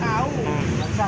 di sana kalau anak anak itu